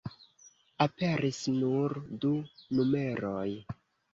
Aperis nur du numeroj.